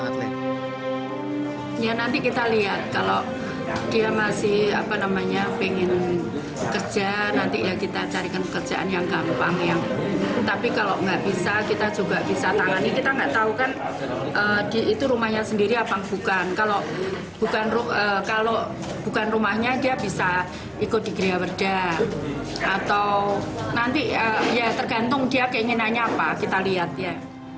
atau nanti ya tergantung dia ingin nanya apa kita lihat ya